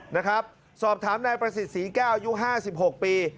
นะครับสอบถามนายประสิทธิ์ศรีแก้วอายุ๕๖ปี